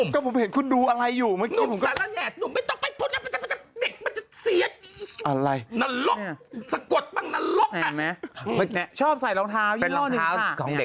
ก็เป็นข้อมูลเพิ่มเติมแล้วผมแค่ถามมดดำเฉย